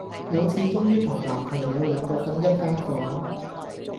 有次終於同男朋友兩個訓一間房